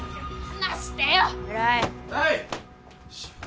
はい！